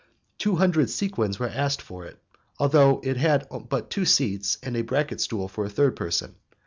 Two hundred sequins were asked for it, although it had but two seats and a bracket stool for a third person.